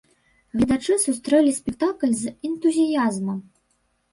Гледачы сустрэлі спектакль з энтузіязмам.